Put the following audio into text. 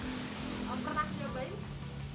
pernah coba ini